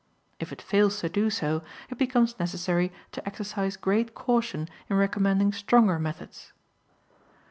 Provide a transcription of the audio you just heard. If it fails to do so, it becomes necessary to exercise great caution in recommending stronger methods.